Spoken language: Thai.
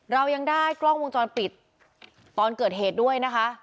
เรายังได้กล้องวงจรปิดตอนเกิดเหตุด้วยนะคะ